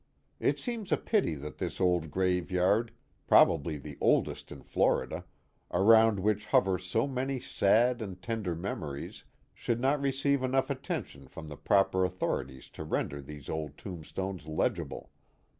It seems a pity that this old graveyard, probably the oldest in Florida, around which hover so many sad and tender memories, should not receive enough attention from the proper authorities to render these old tombstones legible.